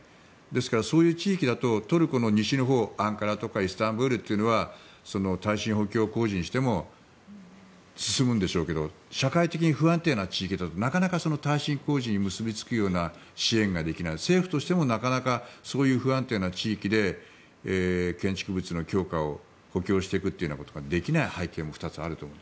そういう地域だとトルコの西のほう、アンカラとかイスタンブールというのは耐震補強工事にしても進むんでしょうけど社会的に不安定な地域は政府としてもなかなかそういう不安定な地域で建築物の強化補強していくことができない背景も２つあると思う。